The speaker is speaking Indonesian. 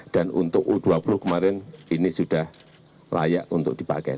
dan untuk u dua puluh kemarin ini sudah layak untuk dipakai